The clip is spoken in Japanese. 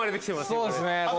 そうですね。